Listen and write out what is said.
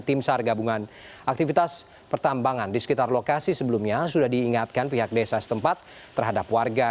tim sar gabungan aktivitas pertambangan di sekitar lokasi sebelumnya sudah diingatkan pihak desa setempat terhadap warga